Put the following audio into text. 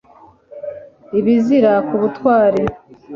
ibizira ku butwari